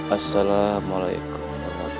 assalamualaikum warahmatullahi wabarakatuh